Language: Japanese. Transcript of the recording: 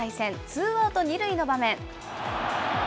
ツーアウト２塁の場面。